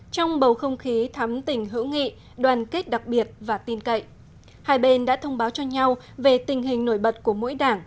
trong bầu không khí thắm tỉnh hữu nghị đoàn kết đặc biệt và tin cậy hai bên đã thông báo cho nhau về tình hình nổi bật của mỗi đảng